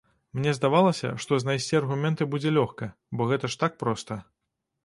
Мне здавалася, што знайсці аргументы будзе лёгка, бо гэта ж так проста.